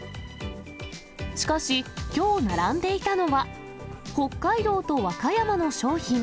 しかし、きょう並んでいたのは、北海道と和歌山の商品。